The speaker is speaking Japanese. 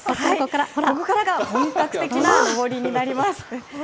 ここからが本格的な登りになります。